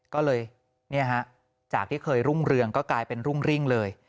ก็เลยจากที่เคยรุ่งเรืองก็กลายเป็นรุ่งริ่งเลย